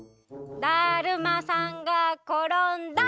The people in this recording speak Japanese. だるまさんがころんだ！